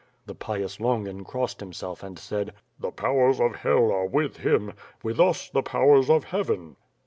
^" The pious Longin crossed himself and said: "The powers of hell are with him; with us the powers of heaven."